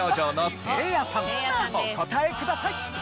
お答えください。